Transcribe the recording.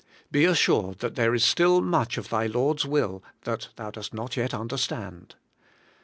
Be assured that there is still much of thy Lord's will that thou dost not yet understand.